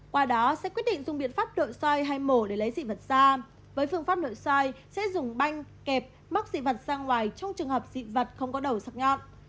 qua đó sẽ quyết định dùng biện pháp nội soi hay mổ để lấy dị vật xa với phương pháp nội soi sẽ dùng banh kẹp mắc dị vật sang ngoài trong trường hợp dị vật không có đầu sọc nhọn